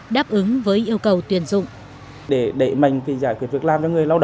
đáp ứng với yêu cầu tuyên dụng